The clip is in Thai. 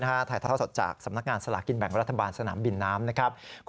ถ่ายเท่าสดจากสำนักงานสลากินแบ่งรัฐบาลสนามบินน้ำนะครับ